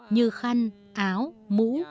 như khăn áo mũ